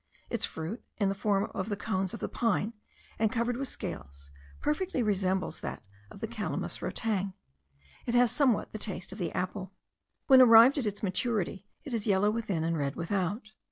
Its fruit, of the form of the cones of the pine, and covered with scales, perfectly resembles that of the Calamus rotang. It has somewhat the taste of the apple. When arrived at its maturity it is yellow within and red without.